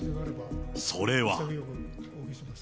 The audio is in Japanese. それは。